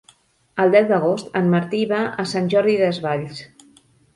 El deu d'agost en Martí va a Sant Jordi Desvalls.